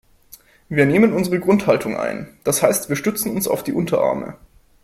Wir nehmen unsere Grundhaltung ein, das heißt wir stützen uns auf die Unterarme.